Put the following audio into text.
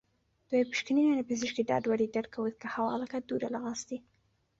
دوای پشکنینیان لە پزیشکی دادوەری دەرکەوت کە هەواڵەکە دوورە لە راستی